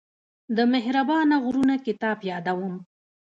د مهربانه غرونه کتاب يادوم.